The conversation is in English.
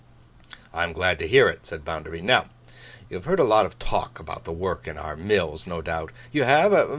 'I am glad to hear it,' said Bounderby. 'Now, you have heard a lot of talk about the work in our mills, no doubt. You have?